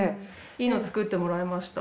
いいの作ってもらいました。